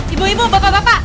ibu ibu bapak bapak